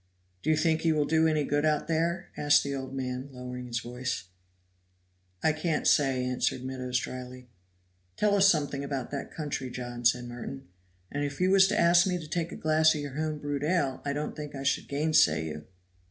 "Do you think he will do any good out there?" asked the old man, lowering his voice. "I can't say," answered Meadows dryly. "Tell us something about that country, John," said Merton; "and if you was to ask me to take a glass of your home brewed ale I don't think I should gainsay you."